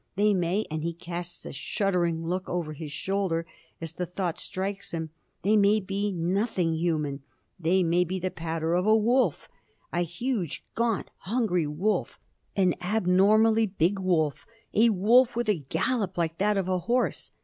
They may and he casts a shuddering look over his shoulder as the thought strikes him they may be nothing human they may be the patter of a wolf! A huge, gaunt, hungry wolf! an abnormally big wolf! a wolf with a gallop like that of a horse!